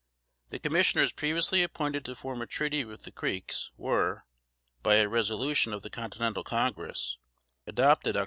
The Commissioners previously appointed to form a treaty with the Creeks, were, by a resolution of the Continental Congress, adopted Oct.